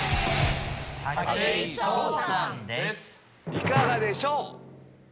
いかがでしょう？